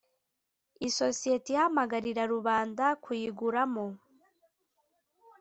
Isosiyete ihamagarira rubanda kuyiguramo